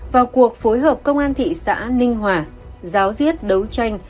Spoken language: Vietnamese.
vào cuộc phối hợp công an thị xã ninh hòa giáo diết đấu tranh